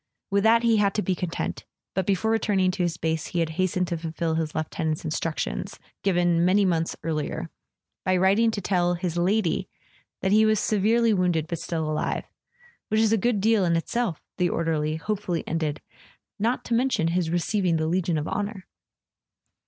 With that he had to be content; but before re¬ turning to his base he had hastened to fulfill his lieu¬ tenant's instructions (given "many months earlier") [ 302 ] A SON AT THE FRONT by writing to tell "his lady" that he was severely wounded, but still alive—"which is a good deal in itself," the orderly hopefully ended, "not to mention his receiving the Legion of Honour."